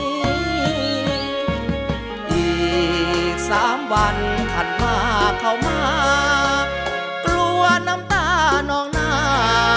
อีก๓วันถัดมาเข้ามากลัวน้ำตานองหน้า